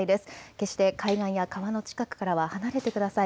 決して海岸や川の近くからは離れてください。